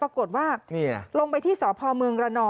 ปรากฏว่าลงไปที่สพมรน